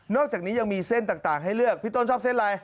อกจากนี้ยังมีเส้นต่างให้เลือกพี่ต้นชอบเส้นอะไร